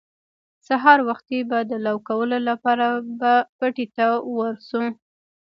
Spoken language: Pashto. سهار وختي به د لو کولو لپاره به پټي ته ور شو.